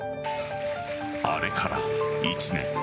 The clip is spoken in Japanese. あれから１年。